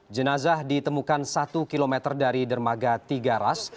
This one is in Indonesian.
jenazah ditemukan satu km dari dermaga tiga ras